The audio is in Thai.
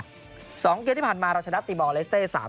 ๒เกมที่ผ่านมาเราชนะตีบอลเลสเต้๓๐